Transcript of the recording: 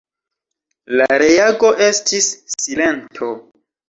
La reago estis silento.